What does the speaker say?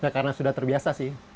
karena sudah terbiasa sih